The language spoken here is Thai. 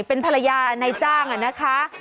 เป็นภรรยาในจ้างอะนะคะ